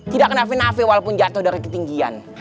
tidak kena nape nape walaupun jatuh dari ketinggian